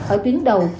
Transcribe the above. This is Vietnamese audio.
ở tuyến đầu